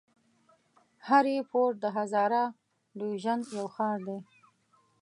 هري پور د هزاره ډويژن يو ښار دی.